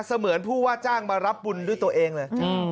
เหมือนผู้ว่าจ้างมารับบุญด้วยตัวเองเลย